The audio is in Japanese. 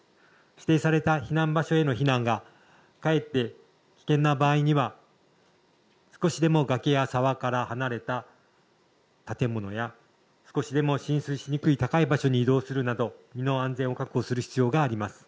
指定された避難場所への避難がかえって危険な場合には少しでも崖や沢から離れた建物や少しでも浸水しにくい高い場所に移動するなど身の安全を確保する必要があります。